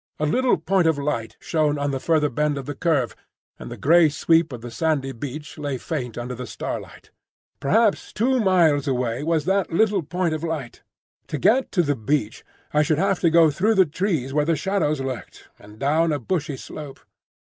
A little point of light shone on the further bend of the curve, and the grey sweep of the sandy beach lay faint under the starlight. Perhaps two miles away was that little point of light. To get to the beach I should have to go through the trees where the shadows lurked, and down a bushy slope.